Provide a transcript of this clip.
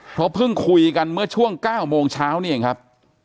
เพราะเพิ่งคุยกันเมื่อช่วง๙โมงเช้านี่เองครับ